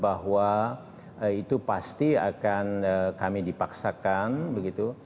bahwa itu pasti akan kami dipaksakan begitu